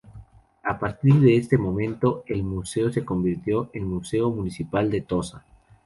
A partir de este momento, el museo se convirtió en "Museo Municipal de Tossa".